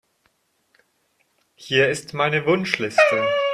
Hier ist meine Wunschliste.